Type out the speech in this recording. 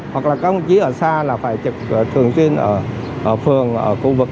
hoặc là các ông chí ở xa là phải trực thường xuyên ở phường ở khu vực